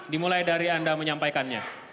dimulai dari anda menyampaikannya